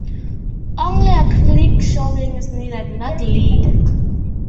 Only acrylic shielding is needed, not lead.